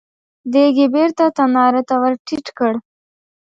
دېګ يې بېرته تناره ته ور ټيټ کړ.